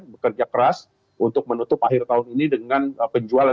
bekerja keras untuk menutup akhir tahun ini dengan penjualan